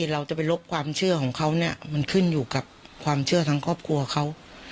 เราจะไปลบความเชื่อของเขาเนี่ยมันขึ้นอยู่กับความเชื่อทั้งครอบครัวเขา